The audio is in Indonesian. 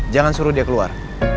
jangan suruh dia keluar